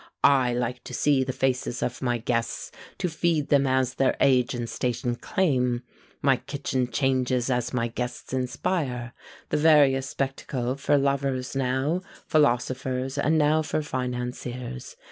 I like to see the faces of my guests, To feed them as their age and station claim. My kitchen changes, as my guests inspire The various spectacle; for lovers now, Philosophers, and now for financiers.